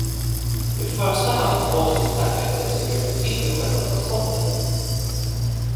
I första hand avses härmed den som hjälper till med själva transporten.